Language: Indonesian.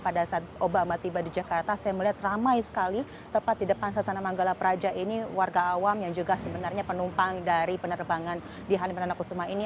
pada saat obama tiba di jakarta saya melihat ramai sekali tepat di depan sasana manggala praja ini warga awam yang juga sebenarnya penumpang dari penerbangan di halim perdana kusuma ini